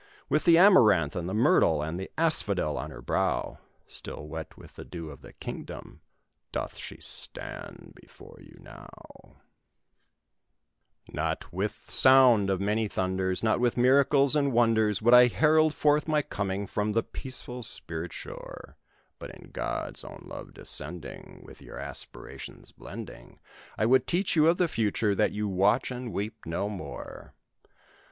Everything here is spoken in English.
With the amaranth, and the myrtle, and the asphodel on her brow, Still wet with the dew of the kingdom, doth she stand before you now: "Not with sound of many thunders, Not with miracles and wonders, Would I herald forth my coming from the peaceful spirit shore; But in God's own love descending, With your aspirations blending, I would teach you of the future, that you watch and weep no more.